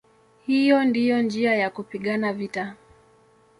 Hiyo ndiyo njia ya kupigana vita".